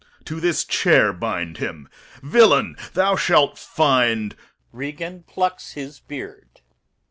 Corn. To this chair bind him. Villain, thou shalt find [Regan plucks his beard.